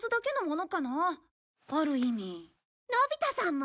のび太さんも？